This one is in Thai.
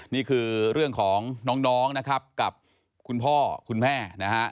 นี่คือเรื่องของน้องนะครับกับคุณพ่อคุณแม่นะฮะ